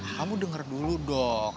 kamu denger dulu dong